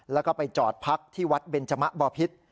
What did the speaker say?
แล้วก็ไปจอดพักที่วัดเบนจมะบ่อพิษ